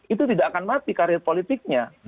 itu tidak akan mati karir politiknya